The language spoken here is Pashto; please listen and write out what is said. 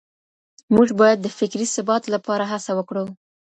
موږ بايد د فکري ثبات لپاره هڅه وکړو.